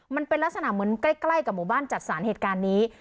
มันเป็นลักษณะเหมือนใกล้กับหมู่บ้านจัดสรรเหตุการณ์นี้